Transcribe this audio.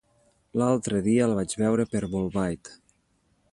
L'altre dia el vaig veure per Bolbait.